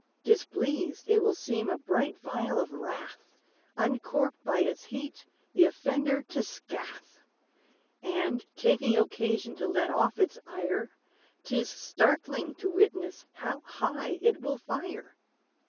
Displeased, it will seem a bright vial of wrath, Uncorked by its heat, the offender to scath; And, taking occasion to let off its ire, 'Tis startling to witness how high it will fire.